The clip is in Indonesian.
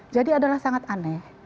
jadi adalah sangat aneh